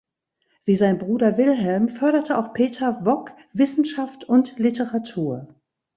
Wie sein Bruder Wilhelm förderte auch Peter Wok Wissenschaft und Literatur.